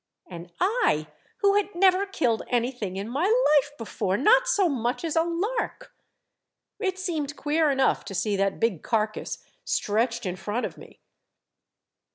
" And I, who had never killed anything in my life before, not so much as a lark ! It seemed queer enough to see that big carcass stretched in front of me.